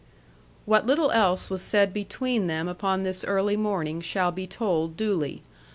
What little else was said between them upon this early morning shall be told duly.